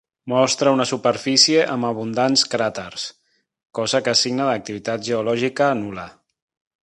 Mostra una superfície amb abundants cràters, cosa que és signe d'activitat geològica nul·la.